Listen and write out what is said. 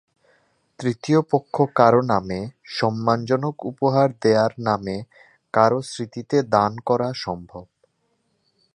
তৃতীয় পক্ষ কারো নামে, সম্মানজনক উপহার দেওয়ার নামে, কারো স্মৃতিতে দান করা সম্ভব।